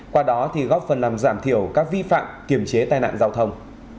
qua đó thì góp phần làm giảm thiểu các vi phạm kiểm chế tai nạn giao thông